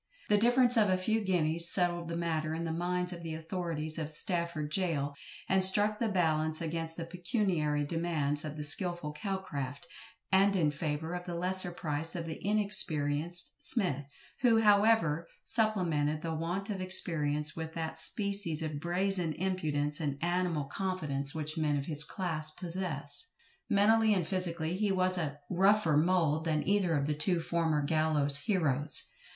The difference of a few guineas settled the matter in the minds of the authorities of Stafford gaol, and struck the balance against the pecuniary demands of the skilful CALCRAFT, and in favour of the lesser price of the inexperienced SMITH, who, however, supplemented the want of experience with that species of brazen impudence and animal confidence which men of his class possess. Mentally and physically he was of rougher mould than either of the two former gallows heroes.